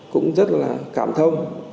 cũng rất là cảm thông